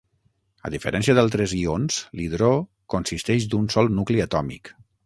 A diferència d'altres ions, l'hidró consisteix d'un sol nucli atòmic.